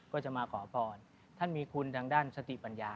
ก็จะมาขอพรท่านมีคุณทางด้านสติปัญญา